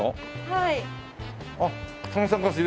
はい。